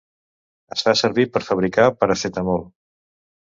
Es fa servir per fabricar paracetamol.